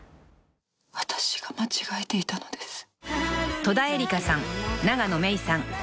「私が間違えていたのです」